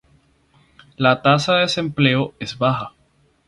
La tasa de desempleo es baja.